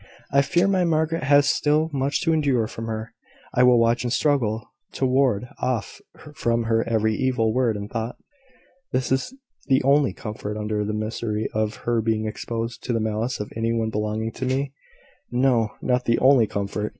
I fear my Margaret has still much to endure from her. I will watch and struggle to ward off from her every evil word and thought. This is the only comfort under the misery of her being exposed to the malice of any one belonging to me. No; not the only comfort.